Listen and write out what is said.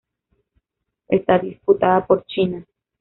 Está disputada por China.